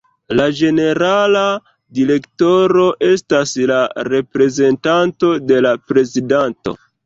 La ĝenerala direktoro estas la reprezentanto de la prezidanto.